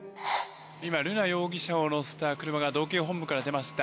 今瑠奈容疑者を乗せた車が道警本部から出ました。